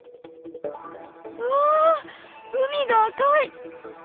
わ海が赤い！